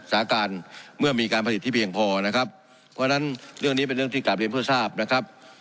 สาการเมื่อมีการผลิตที่เพียงพอนะครับเพราะฉะนั้นเรื่องนี้เป็นเรื่องที่กลับเรียนเพื่อทราบนะครับ